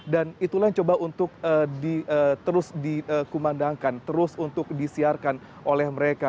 dan itulah yang coba untuk terus dikumandangkan terus untuk disiarkan oleh mereka